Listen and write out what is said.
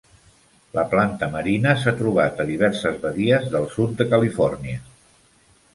La planta marina s'ha trobat a diverses badies del sud de Califòrnia.